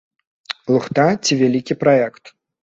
Лухта ці вялікі праект?